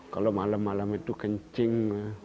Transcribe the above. kalau malam malam itu kencing